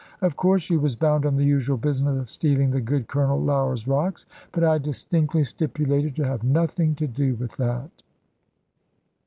Of course she was bound on the usual business of stealing the good Colonel Lougher's rocks, but I distinctly stipulated to have nothing to do with that.